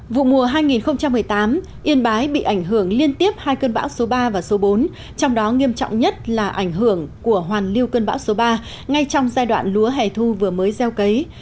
vụ mùa hai nghìn một mươi tám yên bái bị ảnh hưởng liên tiếp hai cơn bão số ba và số bốn trong đó nghiêm trọng nhất là ảnh hưởng của hoàn lưu cơn bão số ba ngay trong giai đoạn lúa hẻ thu vừa mới gieo cấy